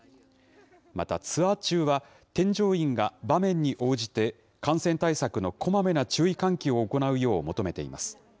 また、ツアー中は添乗員が場面に応じて、感染対策のこまめな注意喚起を行うよう求めています。